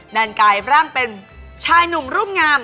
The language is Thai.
นางกายร่างเป็นชายหนุ่มรุ่งงาม